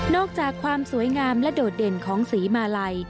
อกจากความสวยงามและโดดเด่นของสีมาลัย